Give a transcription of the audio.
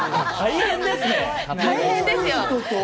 大変ですね。